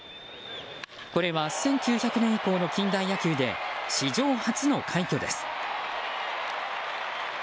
これは１９００年以降の近代野球で史上初の快挙です。